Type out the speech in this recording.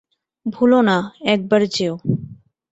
ভুলো না, একবার যেয়ো।